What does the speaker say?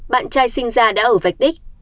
bạn trai sinh ra đã ở vạch đích